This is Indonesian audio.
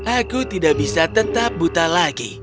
aku tidak bisa tetap buta lagi